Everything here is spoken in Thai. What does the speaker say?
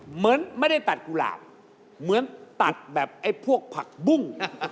เหมือนไม่ได้ตัดกุหลาบเหมือนตัดแบบไอ้พวกผักบุ้ง